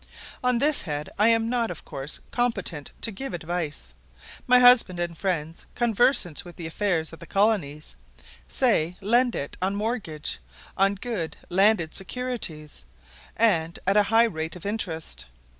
On this head, I am not of course competent to give advice. My husband and friends, conversant with the affairs of the colonies, say, lend it on mortgage, on good landed securities, and at a high rate of interest.